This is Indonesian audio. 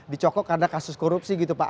dicokok karena kasus korupsi gitu pak